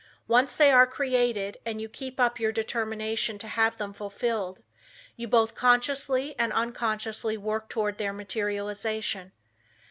Once they are created and you keep up your determination to have them fulfilled you both consciously and unconsciously work toward their materialization.